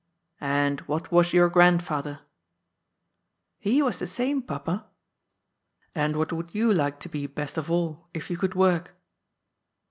" And what was your grandfather ?"" He was the same, Papa." ^' And what would you like to be best of all, if you could work